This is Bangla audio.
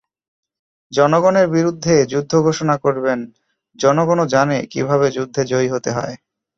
জনগণের বিরুদ্ধে যুদ্ধ ঘোষণা করবেন, জনগণও জানে, কীভাবে যুদ্ধে জয়ী হতে হয়।